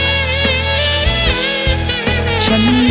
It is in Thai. พลังคงไม่พอจะสร้างฝันให้เป็นไป